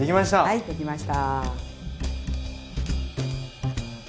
はいできました。